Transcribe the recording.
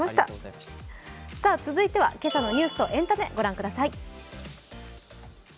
続いては今朝のニュースとエンタメご覧ください。